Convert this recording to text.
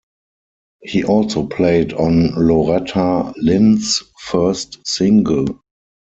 He also played on Loretta Lynn's first single.